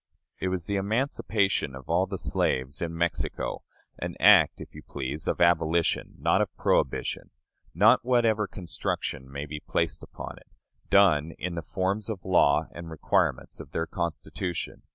It was the emancipation of all the slaves in Mexico; an act, if you please, of abolition, not of prohibition; not, whatever construction may be placed upon it, done in the forms of law and requirements of their Constitution.